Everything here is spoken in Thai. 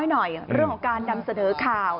หน่อยเรื่องของการนำเสนอข่าว